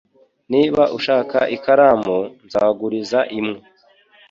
Niba ushaka ikaramu, nzaguriza imwe.